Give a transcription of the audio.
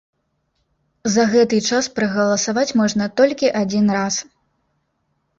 За гэты час прагаласаваць можна толькі адзін раз!